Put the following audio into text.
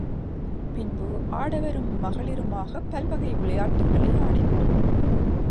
பின்பு ஆடவரும் மகளிருமாகப் பல்வகை விளையாட்டுக்களை ஆடினர்.